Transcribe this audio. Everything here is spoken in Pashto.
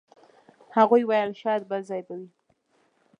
هغوی ویل شاید بل ځای به وئ.